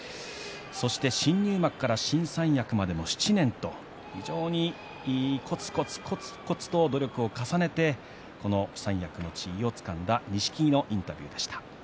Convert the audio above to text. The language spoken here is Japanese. そして新入幕から新三役までも７年と非常にこつこつこつこつと努力を重ねてこの三役の地位をつかんだ錦木のインタビューでした。